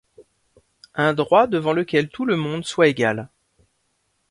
Un droit devant lequel tout le monde soit égal.